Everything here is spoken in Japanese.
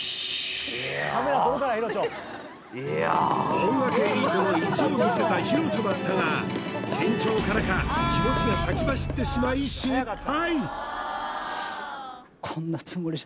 音楽エリートの意地を見せたヒロチョだったが緊張からか気持ちが先走ってしまい失敗